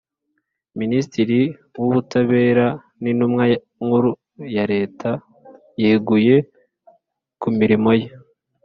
Minisitiri w Ubutabera n Intumwa nkuru ya leta yeguye ku mirimo ye